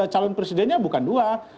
calon presidennya bukan dua